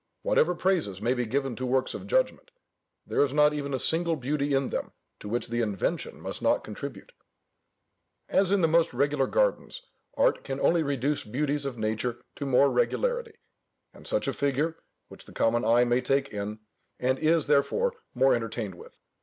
Whatever praises may be given to works of judgment, there is not even a single beauty in them to which the invention must not contribute: as in the most regular gardens, art can only reduce beauties of nature to more regularity, and such a figure, which the common eye may better take in, and is, therefore, more entertained with.